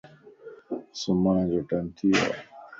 سمھڻ جو ٽيم ٿي ويو ائي